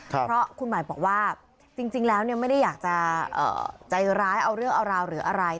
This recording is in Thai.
เพราะคุณหมายบอกว่าจริงแล้วไม่ได้อยากจะใจร้ายเอาเรื่องเอาราวหรืออะไร